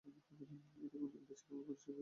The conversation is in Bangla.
এটি দেশের বরিশাল বিভাগের পটুয়াখালী জেলায়অবস্থিত।